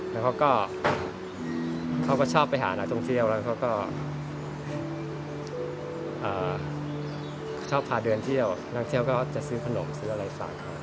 แล้วเขาก็ชอบไปหานักท่องเที่ยวแล้วเขาก็ชอบพาเดินเที่ยวนักเที่ยวก็จะซื้อขนมซื้ออะไรใส่เขา